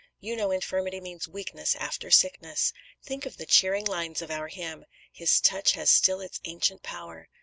You know infirmity means weakness after sickness. Think of the cheering lines of our hymn: "His touch has still its ancient power."